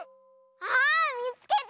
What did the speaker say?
ああっみつけた！